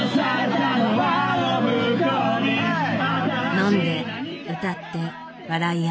飲んで歌って笑い合う。